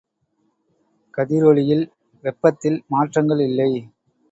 கதிரொளியில் வெப்பத்தில் மாற்றங்கள் இல்லை.